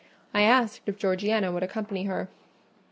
I asked if Georgiana would accompany her.